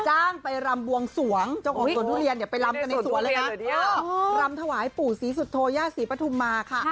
จ้างไปรำบวงสวงเจ้าของสวนทุเรียนเนี่ยไปรำกันในสวนเลยนะรำถวายปู่ศรีสุโธย่าศรีปฐุมมาค่ะ